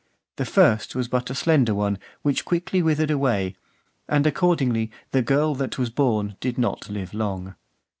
The first was but a slender one, which quickly withered away; and accordingly, the girl that was born did not live long.